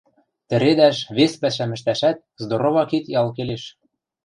тӹредӓш, вес пӓшӓм ӹштӓшӓт здорова кид-ял келеш.